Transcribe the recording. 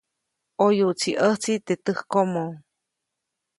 ʼOyuʼtsi ʼäjtsi teʼ täjkomo.